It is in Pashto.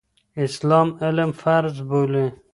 اسلام علم فرض بولي.